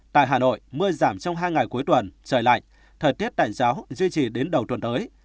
tại hà nội mưa giảm trong hai ngày cuối tuần trời lạnh thời tiết tạnh giáo duy trì đến đầu tuần tới